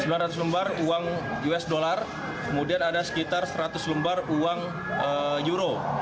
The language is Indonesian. sekitar tiga ratus juta rupiah sembilan ratus lembar uang usd kemudian ada sekitar seratus lembar uang euro